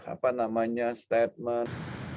apa namanya statement